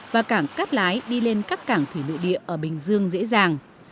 và cảng cát lái đi lên các cảng thủy nội địa ở bình dương dễ dàng